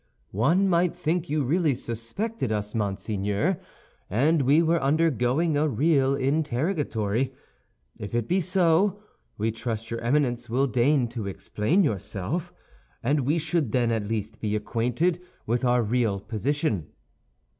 "One might think you really suspected us, monseigneur, and we were undergoing a real interrogatory. If it be so, we trust your Eminence will deign to explain yourself, and we should then at least be acquainted with our real position."